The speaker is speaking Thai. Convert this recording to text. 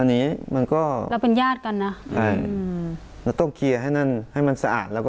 อันนี้มันก็เราเป็นญาติกันนะใช่อืมเราต้องเคลียร์ให้นั่นให้มันสะอาดแล้วก็